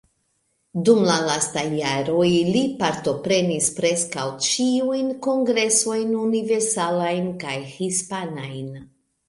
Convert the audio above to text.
Dum la lastaj jaroj li partoprenis preskaŭ ĉiujn kongresojn universalajn kaj hispanajn.